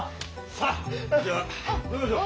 さあじゃあ飲みましょう。